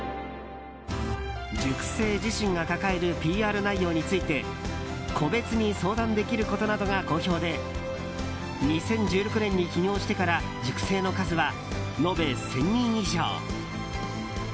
塾生自身が抱えるＰＲ内容について個別に相談できることなどが好評で２０１６年に起業してから塾生の数は延べ１０００人以上。